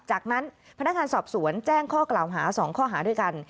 จากนั้นพนักงานสอบสวนแจ้งข้อกล่าวหา๒ข้อหาด้วยกัน